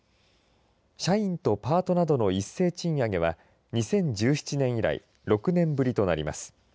社員とパートなどの一斉賃上げは２０１７年以来６年ぶりとなります。